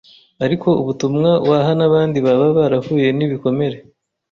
Ariko ubutumwa waha n’abandi baba barahuye n’ibikomere